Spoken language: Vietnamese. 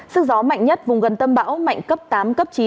sức gió mạnh nhất vùng gần tâm bão mạnh cấp tám cấp chín